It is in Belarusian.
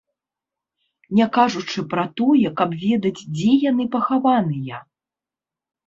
Не кажучы пра тое, каб ведаць, дзе яны пахаваныя.